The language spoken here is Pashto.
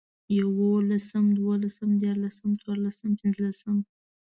يوولسم، دوولسم، ديارلسم، څلورلسم، پنځلسم